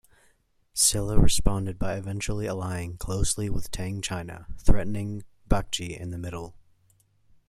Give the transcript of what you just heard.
Silla responded by eventually allying closely with Tang China, threatening Baekje in the middle.